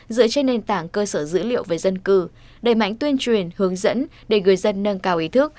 dựa trên nền tảng cơ sở dữ liệu về dân cư đẩy mạnh tuyên truyền hướng dẫn để người dân nâng cao ý thức